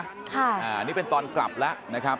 อันนี้เป็นตอนกลับแล้วนะครับ